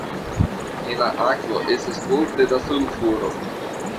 En la akvo estas multe da sulfuro.